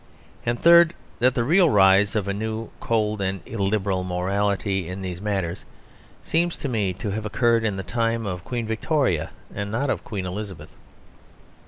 And third, that the real rise of a new, cold, and illiberal morality in these matters seems to me to have occurred in the time of Queen Victoria, and not of Queen Elizabeth.